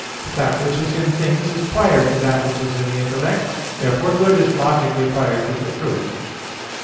But that which is in things is prior to that which is in the intellect. Therefore good is logically prior to the true.